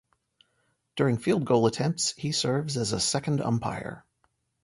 During field goal attempts he serves as a second umpire.